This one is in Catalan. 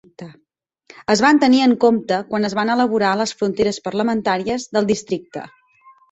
Es van tenir en compte quan es van elaborar les fronteres parlamentàries del districte.